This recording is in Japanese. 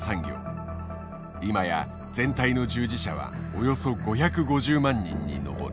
今や全体の従事者はおよそ５５０万人に上る。